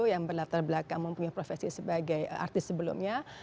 yang berlatar belakang mempunyai profesi sebagai artis sebelumnya